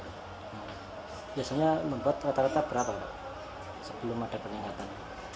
biasanya membuat rata rata berapa pak sebelum ada peningkatan